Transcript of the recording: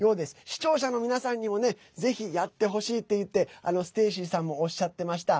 視聴者の皆さんにもぜひやってほしいっていってステイシーさんもおっしゃってました。